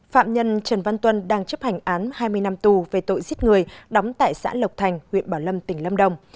phạm nhân trần văn tuân đang chấp hành án hai mươi năm tù về tội giết người đóng tại xã lộc thành huyện bảo lâm tỉnh lâm đồng